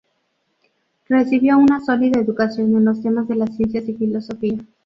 Recibió una sólida educación en los temas de las ciencias y filosofía.